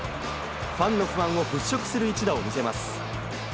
ファンの不安を払拭する一打を見せます。